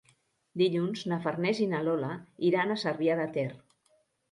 Dilluns na Farners i na Lola iran a Cervià de Ter.